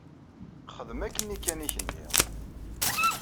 Xdem akken i kan i k-nniɣ!